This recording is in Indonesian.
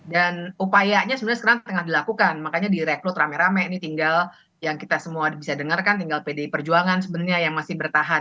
dan upayanya sebenarnya sekarang tengah dilakukan makanya direkrut rame rame ini tinggal yang kita semua bisa dengarkan tinggal pdip perjuangan sebenarnya yang masih bertahan